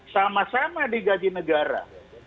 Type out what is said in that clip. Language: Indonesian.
sama sama di gaji negara